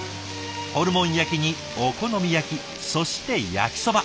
ホルモン焼きにお好み焼きそして焼きそば。